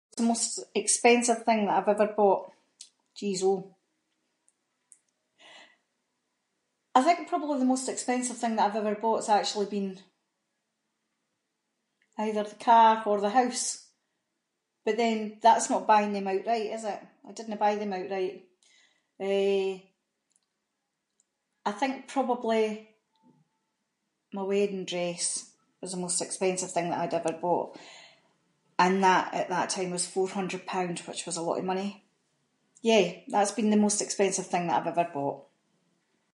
What’s the most expensive thing that I’ve ever bought? Jeezo. I think probably the most expensive thing I’ve ever bought’s actually been either the car or the house, but then that’s not buying them outright, is it? I didnae buy them outright, eh, I think probably, my wedding dress was the most expensive thing that I’d ever bought, and that- at that time was four-hundred pound, which was a lot of money, yeah, that’s been the most expensive thing that I’ve ever bought.